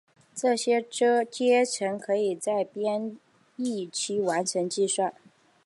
这些阶乘可以在编译期完成计算。